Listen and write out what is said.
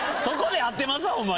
そこで合ってます？